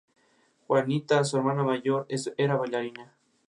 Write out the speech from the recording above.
Juanita, su hermana mayor, era bailarina.